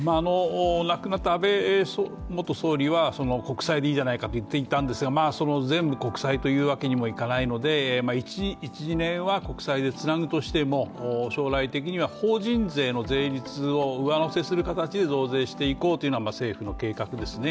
亡くなった安倍元総理は国債でいいじゃないかと言っていたんですが全部国債というわけにはいかないので、１２年は国債でつなぐとしても、法人税の上乗せする形で増税していこうというのが政府の計画ですね。